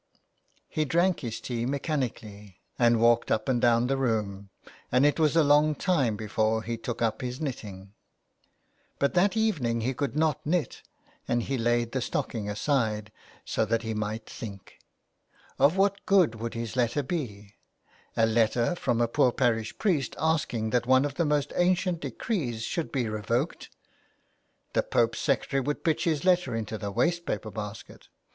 He drank his tea mechanically, and walked up and down the room, and it was a long time before he took up his knitting. But that evening he could not knit, and he laid the stocking aside so that he might think. Of what good would his letter be ? A letter from a poor parish priest asking that one of the most ancient decrees should be revoked ! The Pope's secretary would pitch his letter into the waste paper basket.